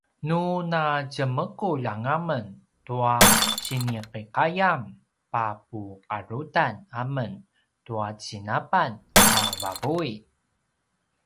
nu natjemekulj anga men tua sinikiqayam papuqarutan amen tua cinapan a vavuy